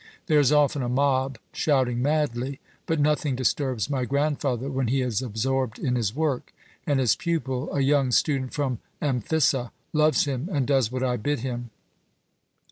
There is often a mob shouting madly; but nothing disturbs my grandfather when he is absorbed in his work; and his pupil a young student from Amphissa loves him and does what I bid him.